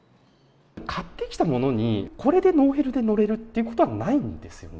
買ってきたものに、これでノーヘルで乗れるっていうことはないんですよね？